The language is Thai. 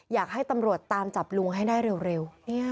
อยากให้ตำรวจตามจับลุงให้ได้เร็ว